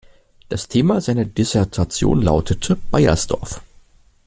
Das Thema seiner Dissertation lautete: „Baiersdorf.